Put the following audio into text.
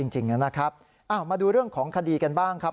จริงนะครับมาดูเรื่องของคดีกันบ้างครับ